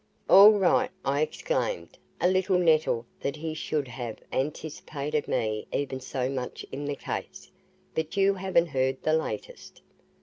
"All right," I exclaimed, a little nettled that he should have anticipated me even so much in the case. "But you haven't heard the latest."